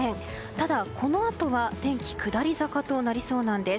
ただ、このあとは天気下り坂となりそうなんです。